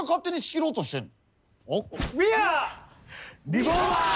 リフォーマーズ！